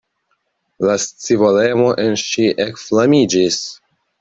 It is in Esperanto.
La scivolemo en ŝi ekflamiĝis!